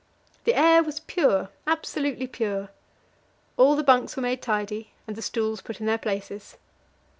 The air was pure absolutely pure. All the bunks were made tidy, and the stools put in their places.